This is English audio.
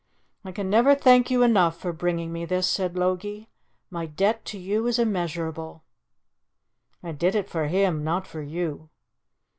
"I can never thank you enough for bringing me this," said Logie. "My debt to you is immeasurable." "I did it for him not for you."